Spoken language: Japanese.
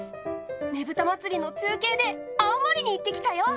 ねぶた祭りの中継で青森に行ってきたよ。